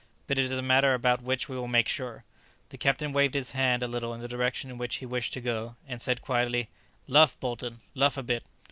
But it is a matter about which we will make sure." The captain waved his hand a little in the direction in which he wished to go, and said quietly, "Luff, Bolton, luff a bit!"